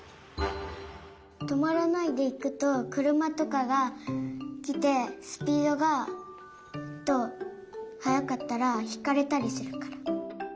とまらないでいくとくるまとかがきてスピードがえっとはやかったらひかれたりするから。